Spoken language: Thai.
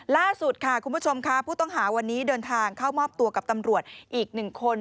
ล่าสุดค่ะคุณผู้ชมค่ะผู้ต้องหาวันนี้เดินทางเข้ามอบตัวกับตำรวจอีก๑คน